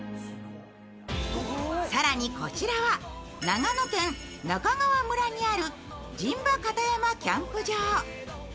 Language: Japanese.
更に、こちらは長野県中川村にある陣馬形山キャンプ場。